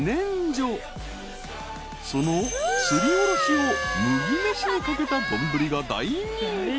［そのすりおろしを麦飯にかけた丼が大人気］